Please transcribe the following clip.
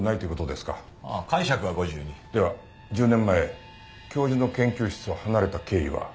では１０年前教授の研究室を離れた経緯は？